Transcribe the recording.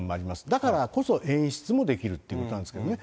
だからこそ演出もできるっていうことなんですけどね。